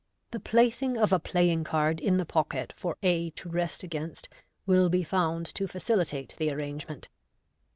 (The placing of a playing card in the pocket for a to rest against will be found to facilitate the arrange ment.)